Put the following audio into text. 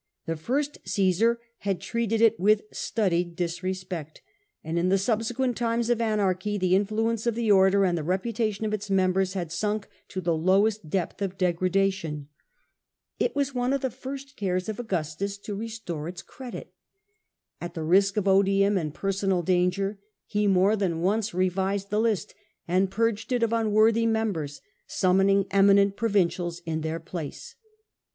The first Caesar had treated it with studied disrespect, and in the subsequent times of anarchy the influence of the order and the reputation of its members had sunk to the lowest depth of degradation. It was one of the first cares of A. H. C B.C. 31— 18 The Earlier Empire, Augustus to restore its credit. At the risk of odium and personal danger he more than once revised the list, and purged it of unworthy members, summoning eminent pro vincials in their place.